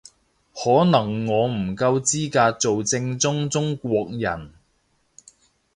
可能我唔夠資格做正宗中國人